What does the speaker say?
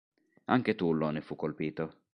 Anche Tullo ne fu colpito.